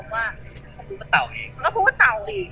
แล้วก็บอกว่าดี